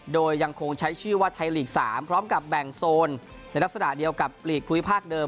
โดยยังคงใช้ชื่อว่าไทยลีก๓พร้อมกับแบ่งโซนในลักษณะเดียวกับหลีกภูมิภาคเดิม